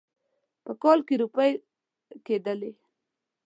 په کال کې روپۍ کېدلې.